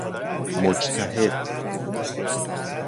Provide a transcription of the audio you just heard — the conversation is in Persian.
مجتهد